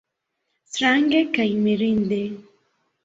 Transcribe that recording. Strange kaj mirinde!